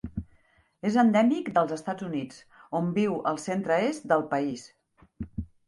És endèmic dels Estats Units, on viu al centre-est del país.